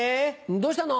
どうしたの？